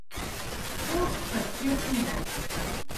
Скок со всех ног.